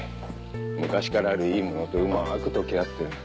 昔からあるいいものとうまーく溶け合ってる。